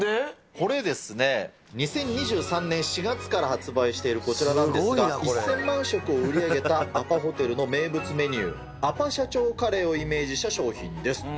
これですね、２０２３年４月から発売しているこちらなんですが、１０００万食を売り上げたアパホテルの名物メニュー、アパ社長カレーをイメージした商品です。